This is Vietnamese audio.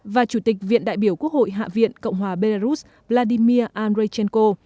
và chủ tịch viện đại biểu quốc hội hạ viện cộng hòa belarus vladimir andrechenko